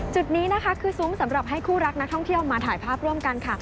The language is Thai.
จุดนี้นะคะคือซุ้มสำหรับให้คู่รักนักท่องเที่ยวมาถ่ายภาพร่วมกันค่ะ